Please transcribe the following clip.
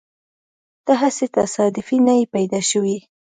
ته هسې تصادفي نه يې پیدا شوی.